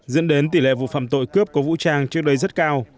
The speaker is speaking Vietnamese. dẫn đến tỷ lệ vụ phạm tội cướp có vũ trang trước đây rất cao